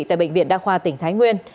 tại bệnh viện đa khoa tỉnh thái nguyên